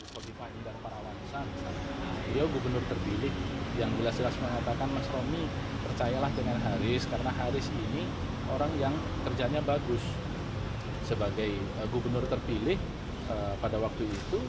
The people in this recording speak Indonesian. sebagai gubernur terpilih pada waktu itu